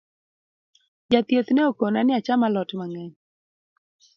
Jathieth ne okona ni acham alot mang’eny